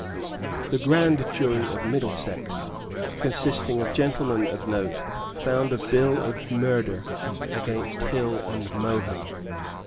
The grand jury of Middlesex, consisting of gentlemen of note, found a bill of murder against Hill and Mohun.